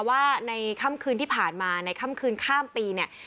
ว่าในค่ำคืนที่ผ่านมาในค่ำคืนข้ามปีเนี่ย